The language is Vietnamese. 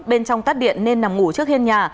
bên trong tắt điện nên nằm ngủ trước hiên nhà